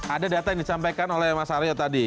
ada data yang disampaikan oleh mas aryo tadi